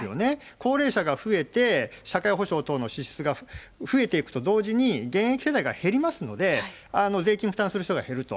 高齢者が増えて、社会保障等の支出が増えていくと同時に、現役世代が減りますので、税金を負担する人が減ると。